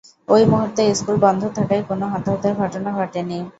ওই মুহূর্তে স্কুল বন্ধ থাকায় কোনো হতাহতের ঘটনা ঘটেনি।